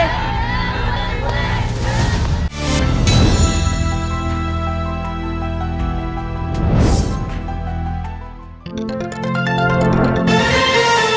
สวัสดีครับ